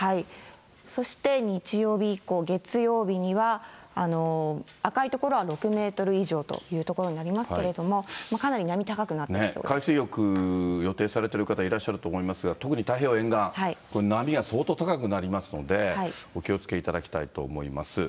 そして日曜日以降、月曜日には赤い所は６メートル以上という所になりますけれども、海水浴、予定されている方、いらっしゃると思いますが、特に太平洋沿岸、これ、波が相当高くなりますので、お気をつけいただきたいと思います。